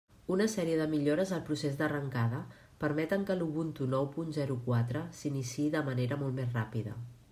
Una sèrie de millores al procés d'arrencada permeten que l'Ubuntu nou punt zero quatre s'iniciï de manera molt més ràpida.